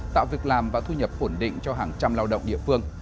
tạo việc làm và thu nhập ổn định cho hàng trăm lao động địa phương